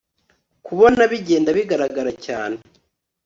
kubona bigenda bigaragara cyane